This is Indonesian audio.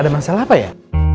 ada masalah apa ya